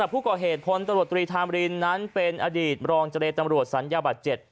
ภูตรตรีทามีรินเป็นอดีตบรองใจลายตำรวจสัญญาบัติ๗